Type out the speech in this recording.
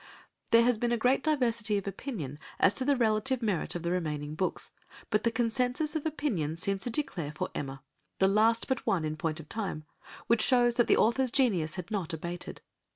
There has been great diversity of opinion as to the relative merit of the remaining books, but the concensus of opinion seems to declare for Emma, the last but one in point of time, which shows that the author's genius had not abated.